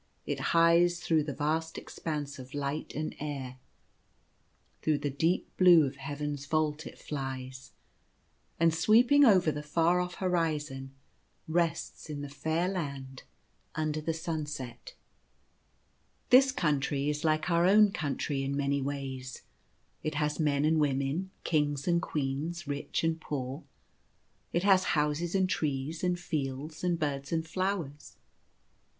It hies through the vast expanse of light and air. Through the deep blue of heaven's vault it flies ; and sweeping over the far off" horizon, rests in the fair Land Under the Sunset. 2 Like unto Our Own Land. This Country is like our own Country in many ways. It has men and women, kings and queens, rich and poor ; it has houses, and trees, and fields, and birds, and flowers.